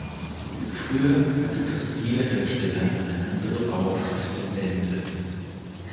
Früher hatte fast jeder Hersteller eine andere Bauart der Blende.